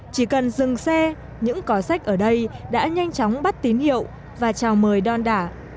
chỉ cần dừng xe những có sách ở đây đã nhanh chóng bắt tín hiệu và chào mời đon đả